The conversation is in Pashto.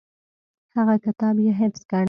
هغه کتاب یې حفظ کړ.